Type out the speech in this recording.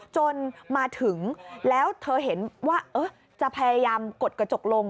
จนมาถึงแล้วเธอเห็นว่าจะพยายามกดกระจกลง